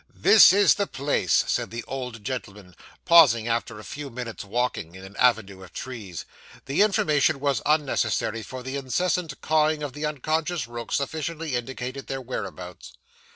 'This is the place,' said the old gentleman, pausing after a few minutes walking, in an avenue of trees. The information was unnecessary; for the incessant cawing of the unconscious rooks sufficiently indicated their whereabouts.